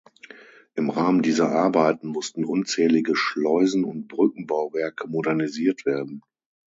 Im Rahmen dieser Arbeiten mussten unzählige Schleusen und Brückenbauwerke modernisiert werden.